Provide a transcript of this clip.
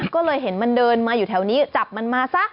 ก็เลยเห็นมันเดินมาอยู่แถวนี้จับมันมาซะ